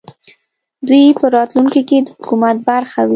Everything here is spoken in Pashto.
دوی په راتلونکې کې د حکومت برخه وي